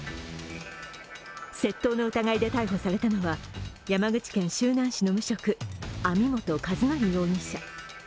窃盗の疑いで逮捕されたのは山口県周南市の無職網本和成容疑者。